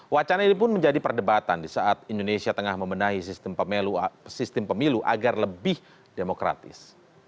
wacana ini pun menjadi perdebatan di saat indonesia tengah membenahi sistem pemilu agar lebih demokratis